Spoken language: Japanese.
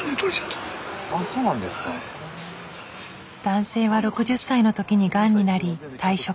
男性は６０歳の時にがんになり退職。